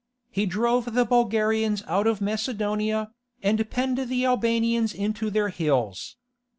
He drove the Bulgarians out of Macedonia, and penned the Albanians into their hills.